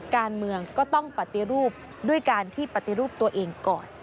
การเมืองก็ต้องปฏิรูปด้วยการที่ปฏิรูปตัวเองก่อน